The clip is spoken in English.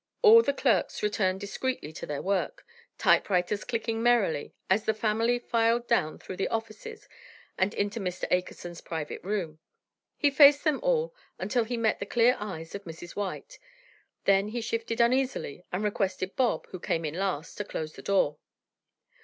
All the clerks returned discreetly to their work, typewriters clicking merrily, as the family filed down through the offices and into Mr. Akerson's private room. He faced them all until he met the clear eyes of Mrs. White, then he shifted uneasily and requested Bob, who came in last, to close the door.